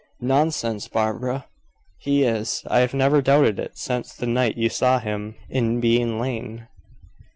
"Nonsense, Barbara!" "He is, I have never doubted it since the night you saw him in Bean lane.